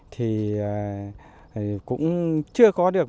thì cũng chưa có được